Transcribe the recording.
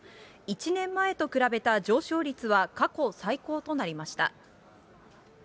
１年前と比べた上昇率は過去最高となりました。